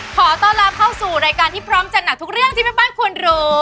ขอต้อนรับเข้าสู่รายการที่พร้อมจัดหนักทุกเรื่องที่แม่บ้านควรรู้